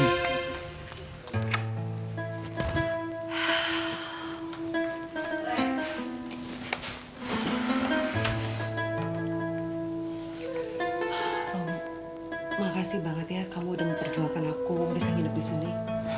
rung makasih banget ya kamu udah memperjuangkan aku bisa nginep disini